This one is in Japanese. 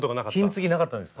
金継ぎなかったんです。